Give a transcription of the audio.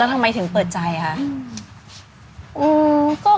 แล้วทำไมถึงเปิดใจค่ะ